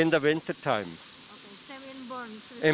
di waktu musim musim